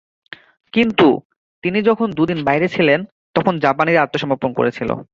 কিন্তু, তিনি যখন দুদিন বাইরে ছিলেন, তখন জাপানিরা আত্মসমর্পণ করেছিল।